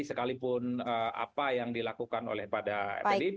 sekalipun apa yang dilakukan oleh pada pdip